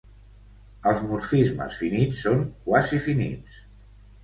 Els morfismes finits són quasi-finits.